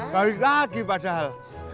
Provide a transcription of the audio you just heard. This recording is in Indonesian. baru lagi padahal